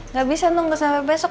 nggak bisa nunggu sampai besok